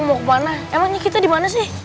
mau kemana emangnya kita dimana sih